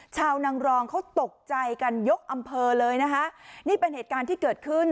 นางรองเขาตกใจกันยกอำเภอเลยนะคะนี่เป็นเหตุการณ์ที่เกิดขึ้น